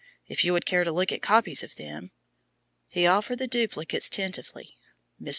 If you would care to look at copies of them?" He offered the duplicates tentatively. Mr.